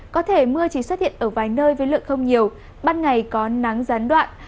có thể mưa chỉ xuất hiện ở vài nơi với lượng không nhiều ban ngày có nắng gián đoạn